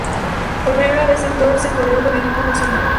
Por primera vez el Tour se corrió con equipos nacionales.